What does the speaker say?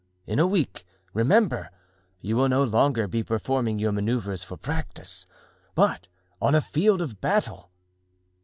In a week, remember, you will no longer be performing your manoeuvres for practice, but on a field of battle."